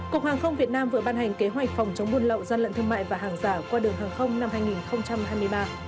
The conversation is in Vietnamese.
cục hàng không việt nam vừa ban hành kế hoạch phòng chống buôn lậu gian lận thương mại và hàng giả qua đường hàng không năm hai nghìn hai mươi ba